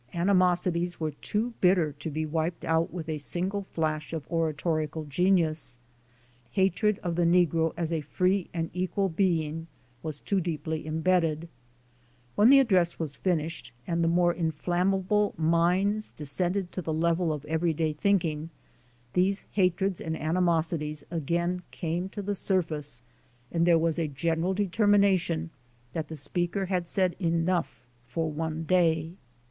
Animosities were too bitter to be wiped out with a single flash of oratorical genius; hatred of the negro as a free and equal being was too deeply imbedded. When the voi.xv,Nos.3 4 J). N. Blazer. 581 address was finished and the more inflammable minds de scended to the level of everyday thinking, these hatreds and animosities again came to the surface, and there was a gen eral determination that the speaker had said enough for one day.